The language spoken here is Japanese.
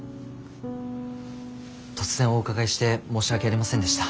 突然お伺いして申し訳ありませんでした。